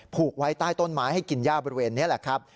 ผูกไว้ใต้ต้นไม้ให้กินย่าบริเวณนี้แหละครับ